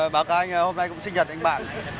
báo cáo anh hôm nay cũng sinh nhật anh bạn